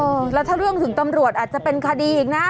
แล้วถ้าเรื่องถึงตำรวจอาจจะเป็นคดีอีกนะ